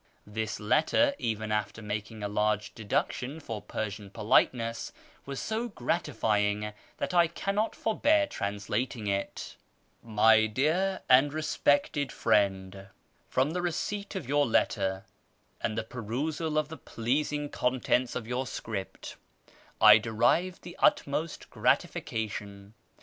Tbis letter, even after making a large deduction for Persian politeness, was so gratifying tbat I cannot forbear translating it —" My dear and respected Friend, " From the receipt of your letter, and the perusal of the pleasing con tents of your script, I derived the utmost gratification.